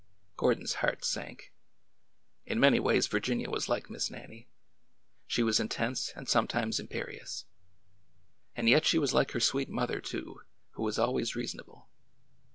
Gordon's heart sank. In many ways Virginia was like Miss Nannie. She was intense and sometimes imperious. And yet she was like her sweet mother, too,— who was always reasonable.